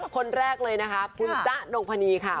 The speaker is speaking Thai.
คนแรกเลยนะคะคุณจ๊ะนงพนีค่ะ